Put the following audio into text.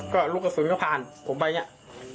ก็ลูกกระสุนก็ผ่านผมไปเนี่ย